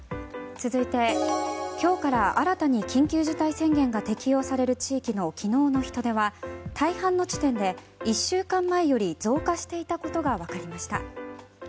続いて今日から新たに緊急事態宣言が適用される地域の昨日の人出は大半の地点で１週間前より増加していたことがわかりました。